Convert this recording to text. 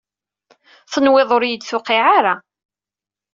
Tenwiḍ ur iyi-d-tewqiɛ ara.